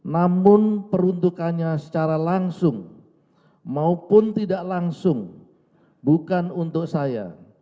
namun peruntukannya secara langsung maupun tidak langsung bukan untuk saya